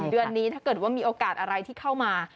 เดือนนี้ถ้าเกิดว่ามีโอกาสอะไรที่เข้ามา